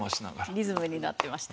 リズムになってました。